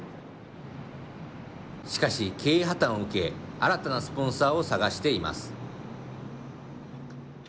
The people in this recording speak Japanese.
しかし、経営破綻を受け新たなスポンサーを探しています。